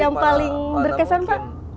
yang paling berkesan pak